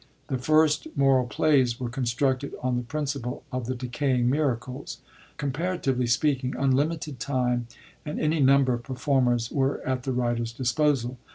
The first Moral Plays were constructed on the principle of the decaying Miracles. Comparatively speaking, unlimited time and any number of performers were at the writer's disposal.